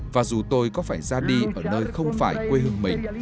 và dù tôi có phải ra đi ở nơi không phải quê hương mình